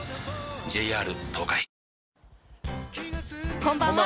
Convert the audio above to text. こんばんは。